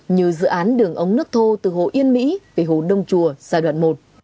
như dự án đường ống nước thô từ hồ yên mỹ về hồ đông chùa giai đoạn một